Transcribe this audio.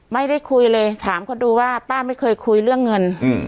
ไม่ได้คุยเลยถามเขาดูว่าป้าไม่เคยคุยเรื่องเงิน